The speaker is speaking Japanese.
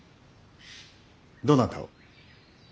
どなたを。